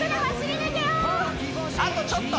あとちょっと！